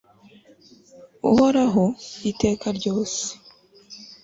uhoraho, iteka ryose